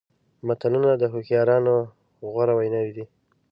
متلونه د هوښیارانو غوره ویناوې دي.